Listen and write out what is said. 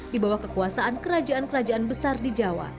di bawah kekuasaan kerajaan kerajaan besar di jawa